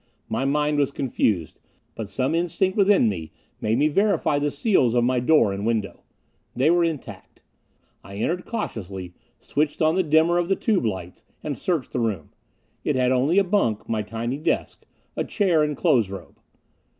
My mind was confused, but some instinct within me made me verify the seals of my door and window. They were intact. I entered cautiously, switched on the dimmer of the tube lights, and searched the room. It had only a bunk, my tiny desk, a chair and clothes robe.